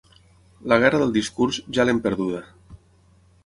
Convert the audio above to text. La guerra del discurs ja l’hem perduda.